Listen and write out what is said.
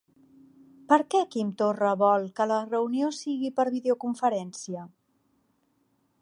Per què Quim Torra vol que la reunió sigui per videoconferència?